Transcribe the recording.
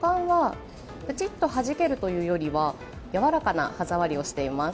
食感はプチっとはじけるというよりは柔らかな歯触りをしています。